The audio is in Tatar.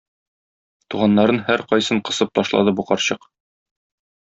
Туганнарын һәркайсын косып ташлады бу карчык.